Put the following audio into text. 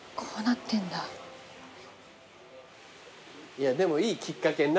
いやでもいいきっかけになるわね。